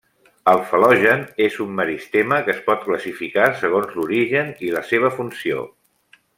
El fel·logen és un meristema que es pot classificar segons l'origen i la seva funció.